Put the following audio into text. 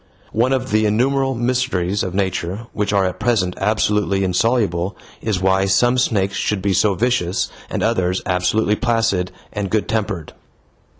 One of the innumerable mysteries of nature which are at present absolutely insoluble is why some snakes should be so vicious and others absolutely placid and good tempered.